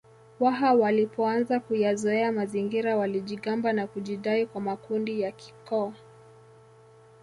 Waha walipoanza kuyazoea mazingira walijigamba na kujidai kwa makundi ya kikoo